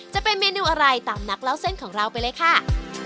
จะเป็นเมนูอะไรตามนักเล่าเส้นของเราไปเลยค่ะ